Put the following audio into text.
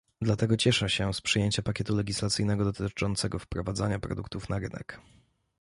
Dlatego cieszę się z przyjęcia pakietu legislacyjnego dotyczącego wprowadzania produktów na rynek